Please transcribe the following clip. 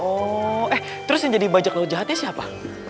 oh eh terus yang jadi bajak laut jahatnya siapa